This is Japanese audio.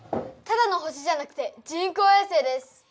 ただの星じゃなくて人工衛星です。